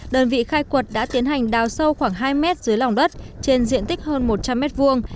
đơn vị khai quật đã tiến hành đào sâu khoảng hai mét dưới lòng đất trên diện tích hơn một trăm linh mét vuông